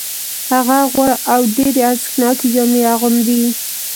هغه غوره او ډېرې ارزښتناکې جامې اغوندي